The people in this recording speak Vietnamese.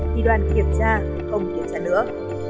kỳ đoàn kiểm tra không kiểm tra nữa